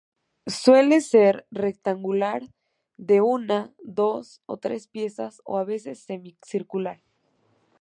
Suele ser rectangular de una, dos o tres piezas, o a veces semicircular.